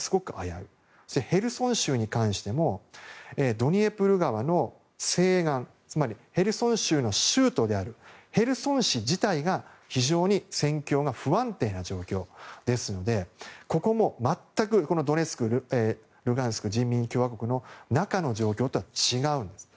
ヘルソン州に関してもドニエプル川の西岸つまりヘルソン州の州都であるヘルソン市自体が非常に戦況が不安定ですのでここも全くドネツクルガンスク人民共和国の中の状況とは違うんです。